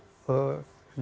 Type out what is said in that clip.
dia sebelum iter ini